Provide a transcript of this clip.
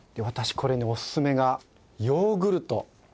これにおすすめがヨーグルト。